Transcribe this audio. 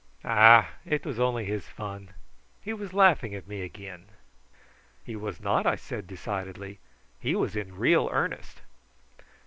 "Bah! it was only his fun. He was laughing at me again." "He was not," I said decidedly. "He was in real earnest."